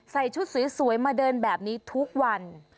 ใส่ชุดสวยมาเดินแบบนี้ทุกวัน